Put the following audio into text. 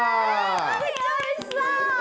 おいしそう！